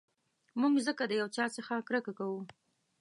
موږ ځکه د یو چا څخه کرکه کوو.